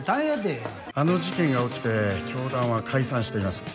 あの事件が起きて教団は解散しています。